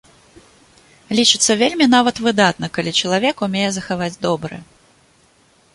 Лічыцца вельмі нават выдатна, калі чалавек умее захаваць добрае.